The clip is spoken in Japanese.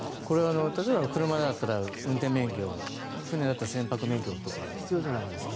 例えば車だったら運転免許船だったら船舶免許とか必要じゃないですか。